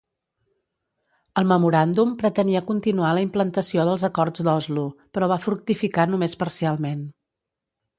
El memoràndum pretenia continuar la implantació dels Acords d'Oslo, però va fructificar només parcialment.